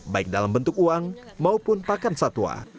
baik dalam bentuk uang maupun pakan satwa